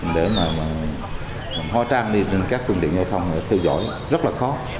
để mà hóa trang đi trên các phương tiện giao thông theo dõi rất là khó